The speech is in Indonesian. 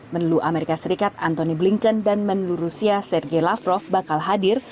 menlo amerika serikat antony blinken dan menlo rusia sergei lavrov bakal hadir